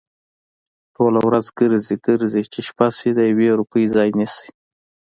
ټوله ورځ گرځي، گرځي؛ چې شپه شي د يوې روپۍ ځای نيسي؟